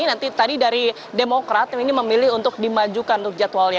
nanti tadi dari demokrat ini memilih untuk dimajukan untuk jadwalnya